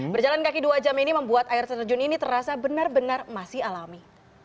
berjalan kaki dua jam ini membuat air terjun ini terasa benar benar masih alami